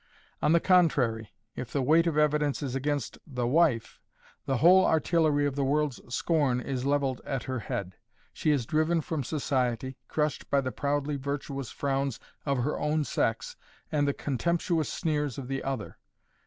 On the contrary, if the weight of evidence is against the wife, the whole artillery of the world's scorn is leveled at her head. She is driven from society, crushed by the proudly virtuous frowns of her own sex and the contemptuous sneers of the other.